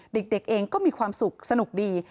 เด็กเองก็มีความสุขสนุกดี